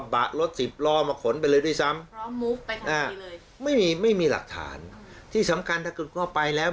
ไปเลยด้วยซ้ำไม่มีหลักฐานที่สำคัญถ้าคุณเข้าไปแล้ว